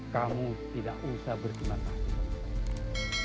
kamu tidak usah berjumat jumat